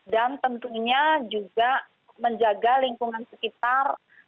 dan tentunya juga menjaga lingkungan sekitar